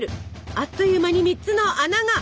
あっという間に３つの穴が！